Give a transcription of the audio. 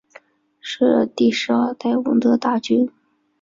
是第十二代闻得大君。